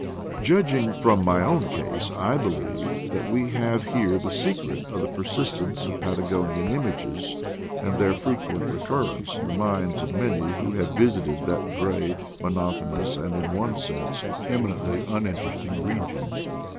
Judging from my own case, I believe that we have here the secret of the persistence of Patagonian images, and their frequent recurrence in the minds of many who have visited that gray, monotonous, and, in one sense, eminently uninteresting region.